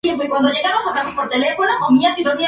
Fueron expulsados en desorden colina abajo.